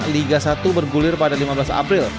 liga satu bergulir pada lima belas april